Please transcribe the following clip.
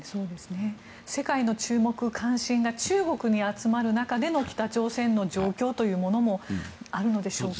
世界の注目、関心が中国に集まる中での北朝鮮の状況というものもあるのでしょうか。